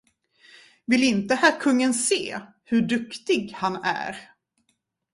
Vill inte herr kungen se, hur duktig han är?